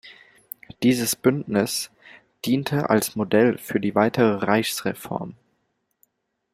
Dieses Bündnis diente als Modell für die weitere Reichsreform.